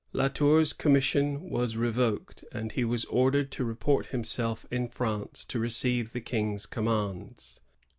La Tour's commis sion was revoked, and he was ordered to report him self in France to receive the King's commands.